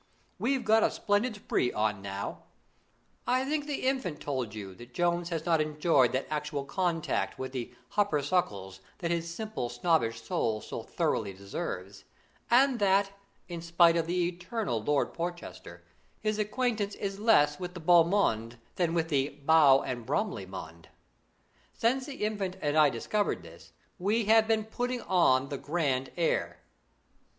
We've got a splendid spree on now. I think the Infant told you that Jones has not enjoyed that actual contact with the 'hupper suckles' which his simple snobbish soul so thoroughly deserves; and that, in spite of the eternal Lord Porchester, his acquaintance is less with the beau monde than with the Bow and Bromley monde. Since the Infant and I discovered this we have been putting on the grand air.